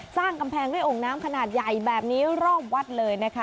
สร้างกำแพงด้วยองค์น้ำขนาดใหญ่แบบนี้รอบวัดเลยนะคะ